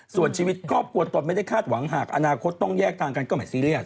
ส่วนชีวิตครอบครัวตนไม่ได้คาดหวังหากอนาคตต้องแยกทางกันก็ไม่ซีเรียส